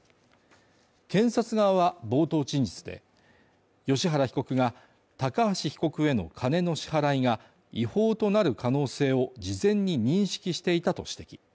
検察側は冒頭陳述で、芳原被告が高橋被告への金の支払いが違法となる可能性を事前に認識していたと指摘。